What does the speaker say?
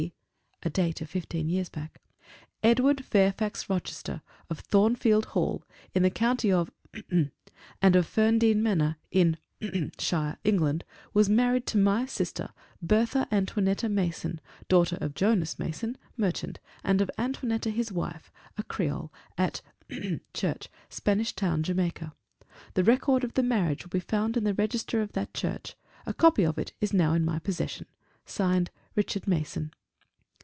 D. " (a date of fifteen years back), "Edward Fairfax Rochester, of Thornfield Hall, in the county of , and of Ferndean Manor, in shire, England, was married to my sister, Bertha Antoinetta Mason, daughter of Jonas Mason, merchant, and of Antoinetta his wife, a Creole, at church, Spanish Town, Jamaica. The record of the marriage will be found in the register of that church a copy of it is now in my possession. Signed, Richard Mason."